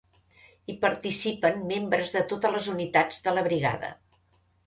Hi participen membres de totes les unitats de la Brigada.